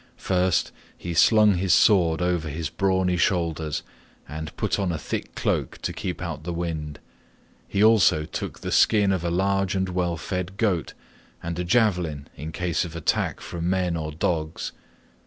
First he slung his sword over his brawny shoulders and put on a thick cloak to keep out the wind. He also took the skin of a large and well fed goat, and a javelin in case of attack from men or dogs.